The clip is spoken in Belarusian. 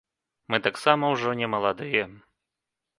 Мы таксама ўжо не маладыя.